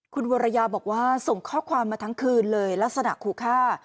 คุณวรยาบอกว่าส่งข้อความมาทั้งคืนเลยลักษณะขู่ฆ่า